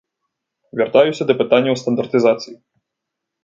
Вяртаюся да пытанняў стандартызацыі.